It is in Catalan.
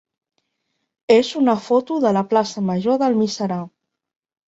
és una foto de la plaça major d'Almiserà.